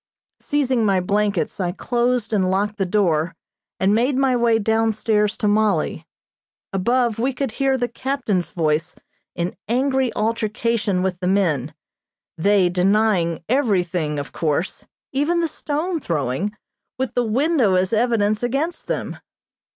Seizing my blankets I closed and locked the door and made my way down stairs to Mollie. Above we could hear the captain's voice in angry altercation with the men, they denying everything, of course, even the stone throwing, with the window as evidence against them.